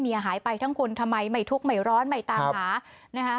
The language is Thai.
หายไปทั้งคนทำไมไม่ทุกข์ไม่ร้อนไม่ตามหานะคะ